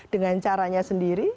dengan caranya sendiri